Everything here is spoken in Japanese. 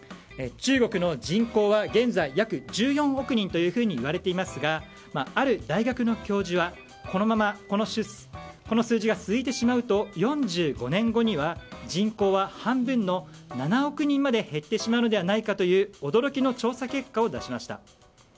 中国の人口は現在約１４億人といわれていますがある大学の教授は、このままこの数字が続いてしまうと４５年後には人口は半分の７億人まで減ってしまうのではないかという驚きの調査結果を出しました。